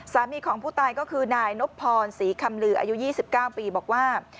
สามีของผู้ตายก็คือนายนบพรศรีคำลืออายุ๒๙ปีบอกว่า